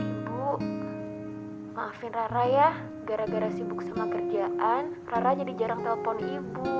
ibu maafin rara ya gara gara sibuk sama kerjaan rara jadi jarang telpon ibu